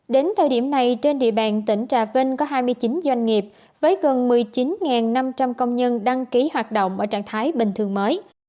đến thời điểm này trên địa bàn tỉnh trà vinh có hai mươi chín doanh nghiệp với gần một mươi chín năm trăm linh công nhân đăng ký hoạt động ở trạng thái bình thường mới